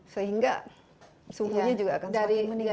sehingga suhunya juga akan semakin meningkat